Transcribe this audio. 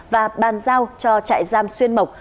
và bàn giao cho trại giam xuyên mộc